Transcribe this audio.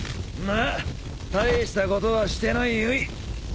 まあ大したことはしてないよい。